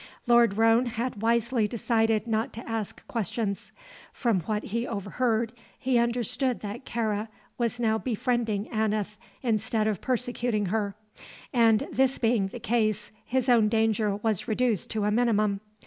Lord Roane had wisely decided not to ask questions. From what he overheard he understood that Kāra was now befriending Aneth instead of persecuting her, and this being the case, his own danger was reduced to a minimum.